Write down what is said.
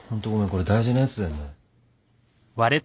これ大事なやつだよね？